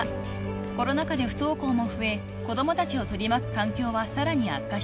［コロナ禍で不登校も増え子供たちを取り巻く環境はさらに悪化しています］